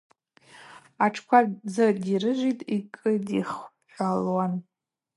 Атшква дзы дирыжвын, йкӏыдихӏвалхуан.